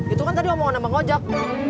itu kan tadi omongan sama gojek